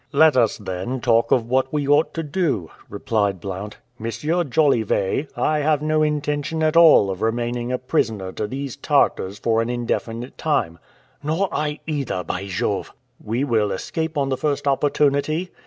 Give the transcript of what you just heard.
"Let us, then, talk of what we ought to do," replied Blount. "M. Jolivet, I have no intention at all of remaining a prisoner to these Tartars for an indefinite time." "Nor I, either, by Jove!" "We will escape on the first opportunity?"